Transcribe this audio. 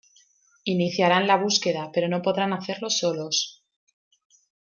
Iniciarán la búsqueda, pero no podrán hacerlo solos.